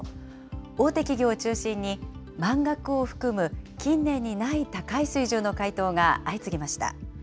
大手企業を中心に、満額を含む、近年にない高い水準の回答が相次ぎました。